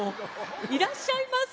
いらっしゃいませ。